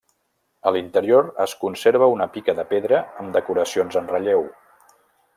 A l'interior es conserva una pica de pedra amb decoracions en relleu.